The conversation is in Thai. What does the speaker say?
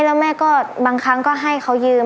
แล้วแม่ก็บางครั้งก็ให้เขายืม